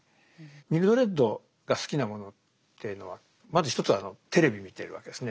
ミルドレッドが好きなものっていうのはまず一つはテレビ見てるわけですね。